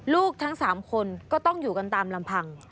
ลูกทั้ง๓คนก็ต้องอยู่กันตามลำพัง